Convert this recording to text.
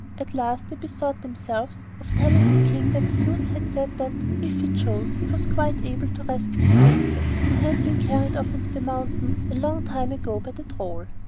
At last they bethought themselves of telling the King that the youth had said that, if he chose, he was quite able to rescue the Princess who had been carried off into the mountain a long time ago by the Troll.